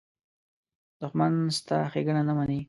دښمن ستا ښېګڼه نه مني